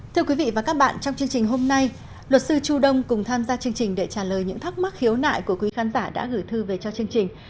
thưa quý vị và các bạn trong chương trình hôm nay luật sư chu đông cùng tham gia chương trình để trả lời những thắc mắc khiếu nại của quý khán giả đã gửi thư về cho chương trình